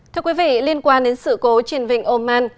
thưa quý vị liên quan đến sự cố triển vệnh oman